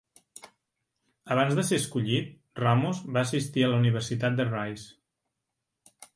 Abans de ser escollit, Ramos va assistir a la Universitat de Rice.